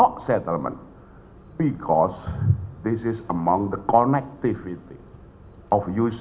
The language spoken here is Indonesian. karena ini adalah antara konektivitas